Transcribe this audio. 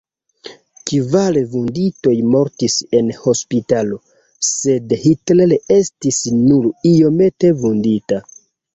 Kvar vunditoj mortis en hospitalo, sed Hitler estis nur iomete vundita.